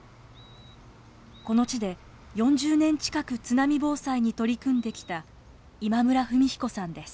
この地で４０年近く津波防災に取り組んできた今村文彦さんです。